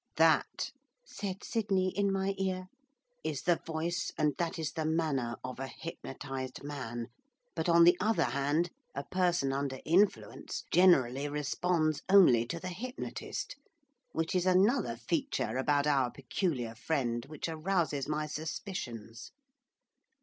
'That,' said Sydney in my ear, 'is the voice and that is the manner of a hypnotised man, but, on the other hand, a person under influence generally responds only to the hypnotist, which is another feature about our peculiar friend which arouses my suspicions.